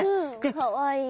かわいい。